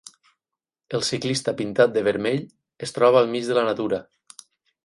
El ciclista pintat de vermell es troba al mig de la natura.